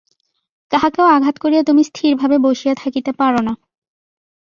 কাহাকেও আঘাত করিয়া তুমি স্থিরভাবে বসিয়া থাকিতে পার না।